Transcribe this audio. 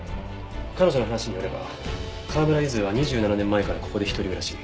彼女の話によれば川村ゆずは２７年前からここで一人暮らし。